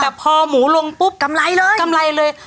แต่พอหมูลงปุ๊บกำไรเลยกำไรเลย